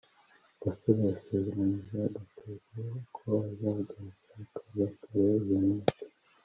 gasore yasezeranije gakwego ko azagaruka kare kare uyu munsi